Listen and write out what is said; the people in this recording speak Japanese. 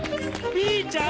ピーちゃん！